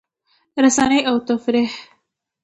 رسنۍ او تفریح